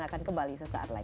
akan kembali sesaat lagi